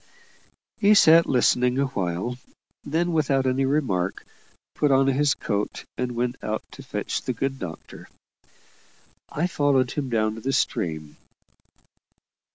He sat listening awhile, then, without any remark, put on his coat and went out to fetch the good doctor. I followed him down to the stream.